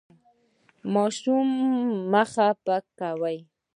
ماشومان مه خفه کوئ.